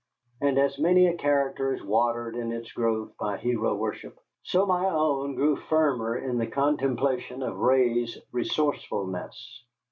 And as many a character is watered in its growth by hero worship, so my own grew firmer in the contemplation of Ray's resourcefulness.